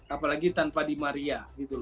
apalagi tanpa di maria